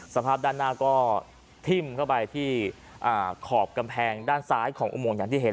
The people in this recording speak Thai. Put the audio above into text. สภาพด้านหน้าก็ทิ้มเข้าไปที่ขอบกำแพงด้านซ้ายของอุโมงอย่างที่เห็น